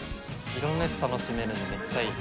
いろんなやつ楽しめるのめっちゃいい。